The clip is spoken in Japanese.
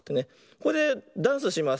これでダンスします。